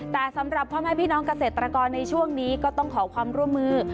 แต่สำหรับพ่อแม่พี่น้องเกษตรกรในช่วงนี้ก็ต้องขอความร่วมมือ